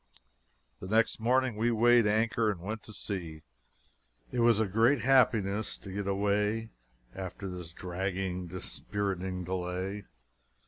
The next morning we weighed anchor and went to sea. It was a great happiness to get away after this dragging, dispiriting delay.